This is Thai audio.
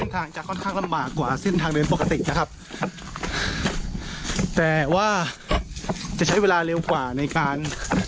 ทางจะค่อนข้างลำบากกว่าเส้นทางเดินปกตินะครับแต่ว่าจะใช้เวลาเร็วกว่าในการ